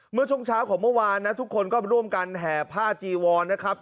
เมื่อช่วงเช้าของเมื่อวานนะทุกคนก็ร่วมกันแห่ผ้าจีวอนนะครับ